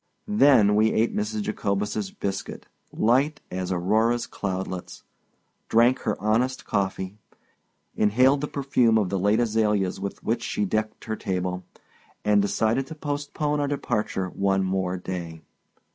Then we ate Mrs. Jacobus's biscuit, light as Aurora's cloudlets, drank her honest coffee, inhaled the perfume of the late azaleas with which she decked her table, and decided to postpone our departure one more day.